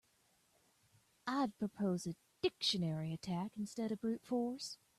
I'd propose a dictionary attack instead of brute force.